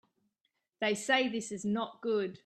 They say this is not good.